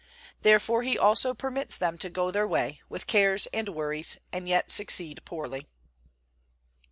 Therefore also He permits them to go their way, with cares and worries, and yet succeed poorly.